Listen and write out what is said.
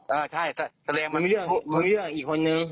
เออใช่แสดงว่ามันมันมีเรื่องอีกคนนึง